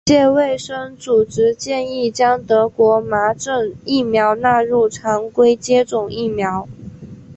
世界卫生组织建议将德国麻疹疫苗纳入常规接种疫苗。